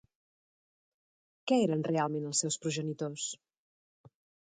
Què eren realment els seus progenitors?